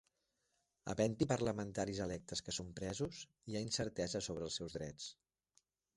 Havent-hi parlamentaris electes que són presos, hi ha incertesa sobre els seus drets.